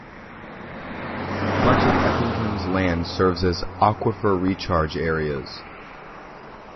Much of Effingham's land serves as aquifer recharge areas.